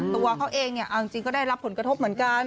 ตัวเขาเองอาจจะได้รับผลกระทบเหมือนกัน